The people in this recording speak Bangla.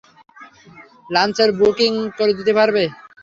লাঞ্চের বুকিং করে দিতে পারবে?